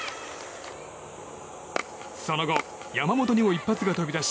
その後、山本にも一発が飛び出し